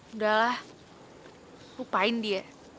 udah lah lupain dia